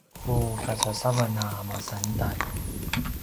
pukasasavan a masantalj